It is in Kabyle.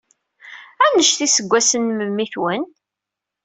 Anect iseggasen n memmi-twen?